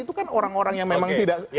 itu kan orang orang yang memang tidak